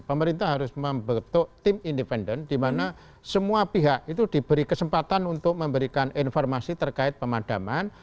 pemerintah harus membentuk tim independen di mana semua pihak itu diberi kesempatan untuk memberikan informasi terkait pemadaman